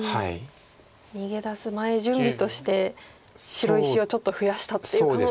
逃げ出す前準備として白石をちょっと増やしたっていう可能性も。